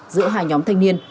giữa hai nhóm thanh niên